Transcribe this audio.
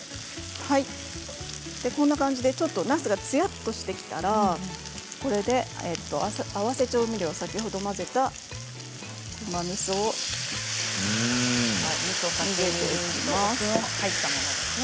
こんな感じで、なすがつやっとしてきたらこれで合わせ調味料先ほど混ぜた甘みそを入れます。